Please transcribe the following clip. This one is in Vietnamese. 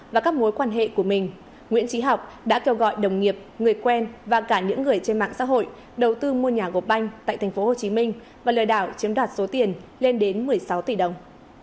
và các mối quan hệ của mình nguyễn trí học đã kêu gọi đồng nghiệp người quen và cả những người trên mạng xã hội đầu tư mua nhà gột banh tại thành phố hồ chí minh và lừa đảo chiếm đoạt số tiền lên đến một mươi sáu tỷ đồng